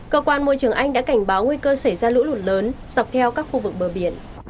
cơ quan môi trường anh đã cảnh báo nguy cơ xảy ra lũ lụt lớn dọc theo các khu vực bờ biển